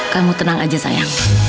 kamu tenang saja sayang